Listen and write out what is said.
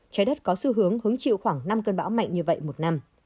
trái đất có xu hướng hứng chịu khoảng năm cơn bão mạnh như vậy một năm